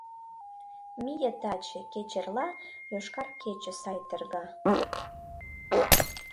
Мие таче, кеч эрла «Йошкар кече» сай терга!